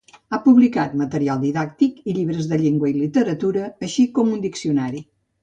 Ha publicat material didàctic i llibres de llengua i literatura, així com un diccionari.